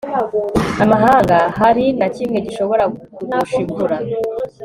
amahanga hari na kimwe gishobora kugusha imvura